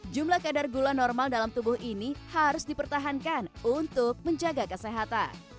jumlah kadar gula normal dalam tubuh ini harus dipertahankan untuk menjaga kesehatan